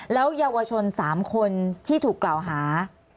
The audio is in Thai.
แล้วเยาวชน๓คนที่ถูกกล่าวหา